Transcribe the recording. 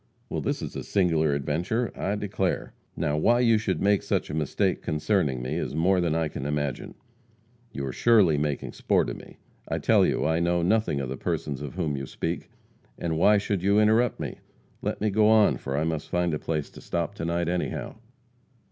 "Well, this is a singular adventure, I declare. Now, why you should make such a mistake concerning me is more than I can imagine. You are surely making sport of me. I tell you I know nothing of the persons of whom you speak, and why should you interrupt me? Let me go on, for I must find a place to stop to night, anyhow."